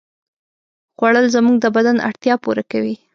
خوړل زموږ د بدن اړتیا پوره کوي